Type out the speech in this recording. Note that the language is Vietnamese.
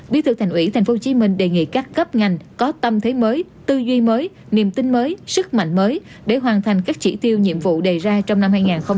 bí thư thành ủy tp hcm đề nghị các cấp ngành có tâm thế mới tư duy mới niềm tin mới sức mạnh mới để hoàn thành các chỉ tiêu nhiệm vụ đề ra trong năm hai nghìn hai mươi